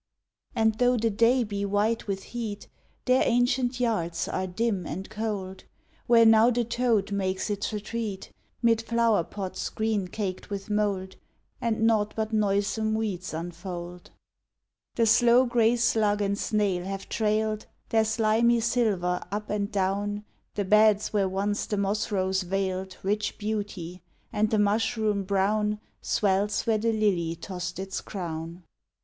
And though the day be white with heat, Their ancient yards are dim and cold; Where now the toad makes its retreat, 'Mid flower pots green caked with mold, And naught but noisome weeds unfold. The slow gray slug and snail have trailed Their slimy silver up and down The beds where once the moss rose veiled Rich beauty; and the mushroom brown Swells where the lily tossed its crown.